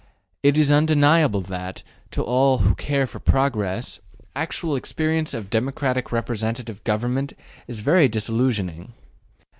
It is undeniable that, to all who care for progress, actual experience of democratic representative Government is very disillusioning.